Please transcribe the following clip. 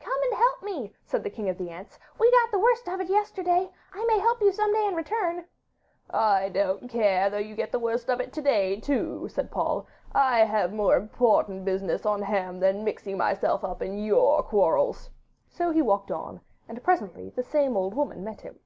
'Come and help me,' said the King of the Ants; 'we got the worst of it yesterday. I may help you some day in return.' 'I don't care though you get the worst of it to day too,' said Paul. 'I have more important business on hand than mixing myself up in your quarrels.' So he walked on, and presently the same old woman met him.